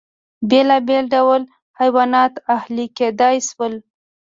بېلابېل ډول حیوانات اهلي کېدای شول.